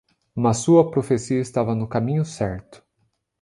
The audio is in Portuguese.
Mas sua profecia estava no caminho certo.